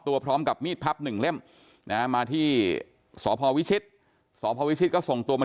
พร้อมกับมีดพับหนึ่งเล่มนะมาที่สพวิชิตสพวิชิตก็ส่งตัวมา